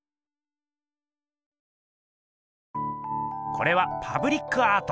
これはパブリックアート。